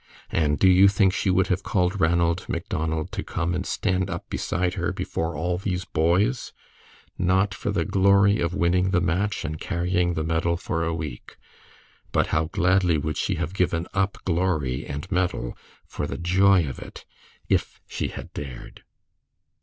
And do you think she would have called Ranald Macdonald to come and stand up beside her before all these boys? Not for the glory of winning the match and carrying the medal for a week. But how gladly would she have given up glory and medal for the joy of it, if she had dared.